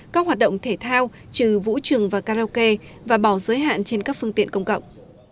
các hoạt động thể thao trừ vũ trường và karaoke và bỏ giới hạn trên các phương tiện công cộng